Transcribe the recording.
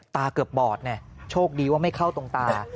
เกือบบอดโชคดีว่าไม่เข้าตรงตา